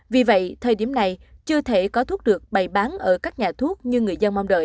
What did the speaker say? vì vậy thời điểm này chưa thể có thuốc được bày bán ở các nhà thuốc như người dân mong đợi